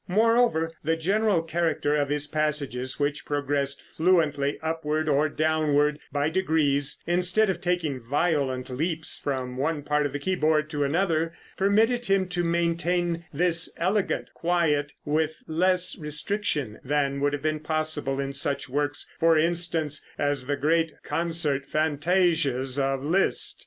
Moreover, the general character of his passages, which progressed fluently upward or downward by degrees, instead of taking violent leaps from one part of the keyboard to another, permitted him to maintain this elegant quiet with less restriction than would have been possible in such works, for instance, as the great concert fantasias of Liszt.